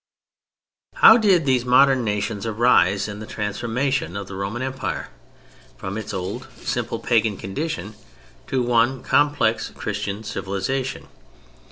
How did these modern nations arise in the transformation of the Roman Empire from its old simple pagan condition to one complex Christian civilization?